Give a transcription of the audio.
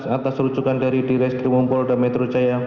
atas rujukan dari direktri wumpol dan metro jaya